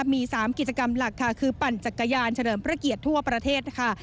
มี๓กิจกรรมหลักค่ะคือปั่นจักรยานเฉลิมพระเกียรติทั่วประเทศค่ะ